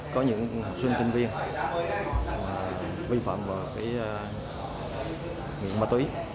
có những học sinh thân viên vi phạm về nguyện ma túy